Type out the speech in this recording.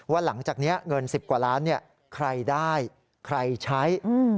หลังจากนี้เงิน๑๐กว่าล้านใครได้ใครใช้